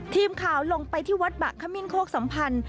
ทีมข่าวลงไปที่วัดบะขมิ้นโคกสัมพันธ์